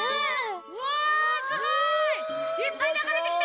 うわすごい！いっぱいながれてきた！